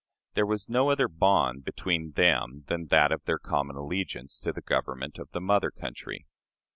There was no other bond between them than that of their common allegiance to the Government of the mother country.